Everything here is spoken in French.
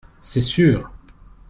C’est sûr !